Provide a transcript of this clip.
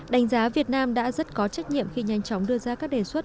đánh giá việt nam đã rất có trách nhiệm khi nhanh chóng đưa ra các đề xuất